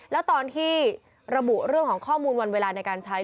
แล้วตอนที่ระบุเรื่องของข้อมูลวันเวลาในการใช้